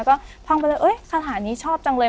ก็ท่องไปเลยเอ้ยระถานี้ชอบจังเลย